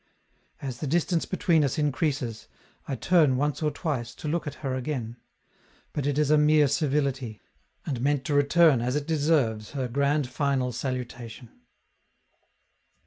As the distance between us increases, I turn once or twice to look at her again; but it is a mere civility, and meant to return as it deserves her grand final salutation.